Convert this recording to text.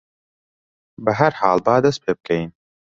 بەهەرحاڵ با دەست پێ بکەین.